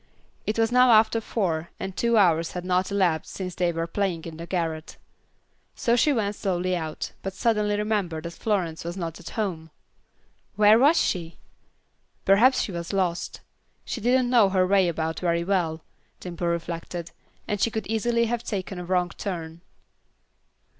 It was now after four, and two hours had not elapsed since they were playing in the garret. So she went slowly out, but suddenly remembered that Florence was not at home. Where was she? Perhaps she was lost. She didn't know her way about very well, Dimple reflected, and she could easily have taken a wrong turn.